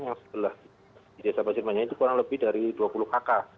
yang sebelah di desa pasir manya itu kurang lebih dari dua puluh kakak